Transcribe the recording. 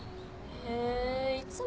へぇいつも